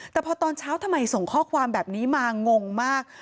แต่พอตอนเช้าทำไมส่งข้อความแบบนี้มางงมาก